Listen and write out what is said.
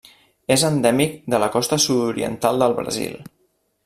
És endèmic de la costa sud-oriental del Brasil.